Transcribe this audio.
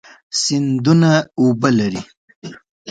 سیندونه اوبه لري.